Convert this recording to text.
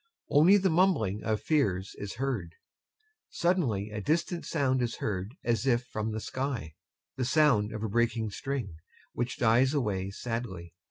Only the mumbling of FIERS is heard. Suddenly a distant sound is heard as if from the sky, the sound of a breaking string, which dies away sadly.